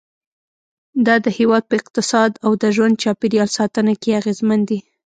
دا د هېواد په اقتصاد او د ژوند چاپېریال ساتنه کې اغیزمن دي.